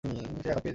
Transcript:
সে আঘাত পেয়েছে?